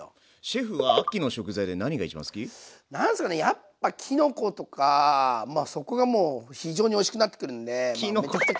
シェフは何ですかねやっぱきのことかまあそこがもう非常においしくなってくるんでまあ